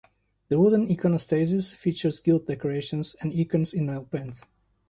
The wooden iconostasis features gilt decorations and icons in oil paint.